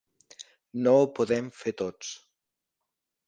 No ho podem fer tots.